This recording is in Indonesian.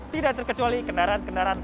tidak terkecuali kendaraan kendaraan